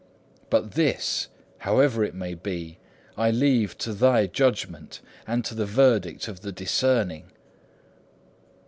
But this, however it may be, I leave to thy judgment and to the verdict of the discerning.